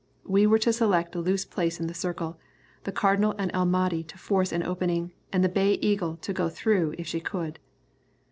We were to select a loose place in the circle, the Cardinal and El Mahdi to force an opening, and the Bay Eagle to go through if she could.